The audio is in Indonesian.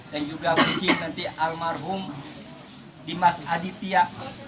dan juga mungkin nanti almakum dimas aditya